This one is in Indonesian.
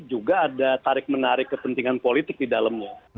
juga ada tarik menarik kepentingan politik di dalamnya